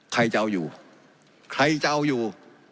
ใครจะเอาอยู่ใครจะเอาอยู่